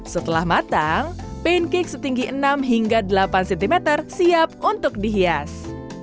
setelah matang pancake setinggi enam hingga delapan cm siap untuk dihias